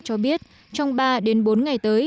cho biết trong ba bốn ngày tới